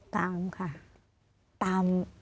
ตามค่ะ